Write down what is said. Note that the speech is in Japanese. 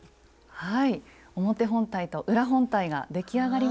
はい。